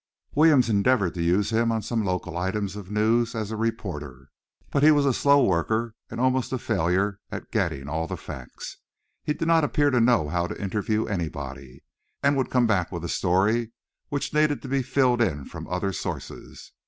Williams endeavored to use him on some local items of news as a reporter, but he was a slow worker and almost a failure at getting all the facts. He did not appear to know how to interview anybody, and would come back with a story which needed to be filled in from other sources.